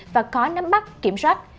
và khó nắm bắt kiểm soát